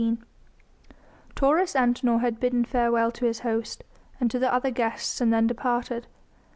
Taurus Antinor had bidden farewell to his host, and to the other guests and then departed.